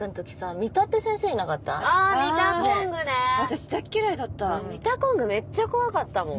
ミタコングめっちゃ怖かったもん。